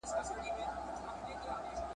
هغه خپل درسونه تر مخه لا ویلي ول.